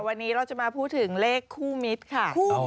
วันนี้เราจะมาพูดถึงเลขคู่มิตรค่ะ